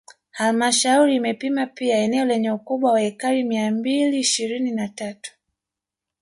Halmashauri imepima pia eneo lenye ukubwa wa ekari mia mbili ishirini na tatu